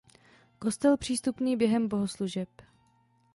Kostel přístupný během bohoslužeb.